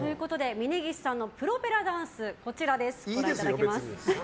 峯岸さんのプロペラダンスこちらです。